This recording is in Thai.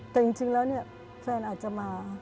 แต่จริงแล้วเนี่ยแฟนอาจจะมา